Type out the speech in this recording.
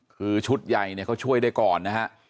คือชุดใหญ่เนี่ยเขาช่วยได้ก่อนนะฮะ